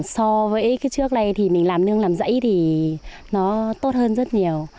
so với trước đây thì mình làm nương làm giấy thì nó tốt hơn rất nhiều